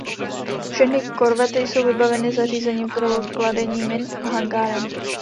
Všechny korvety jsou vybaveny zařízením pro kladení min a hangárem.